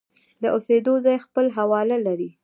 د اوسېدو ځای خپل حواله لري.